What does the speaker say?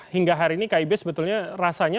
hingga hari ini kib sebetulnya rasanya